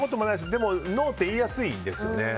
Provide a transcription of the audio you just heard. でも、ノーって言いやすいですね。